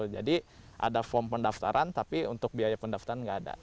ada form pendaftaran tapi untuk biaya pendaftaran nggak ada